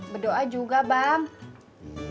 beroa juga bang